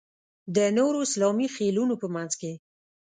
د نورو اسلامي خېلونو په منځ کې.